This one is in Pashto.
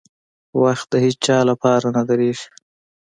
• وخت د هیڅ چا لپاره نه درېږي.